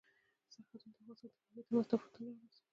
سرحدونه د افغانستان د ناحیو ترمنځ تفاوتونه رامنځ ته کوي.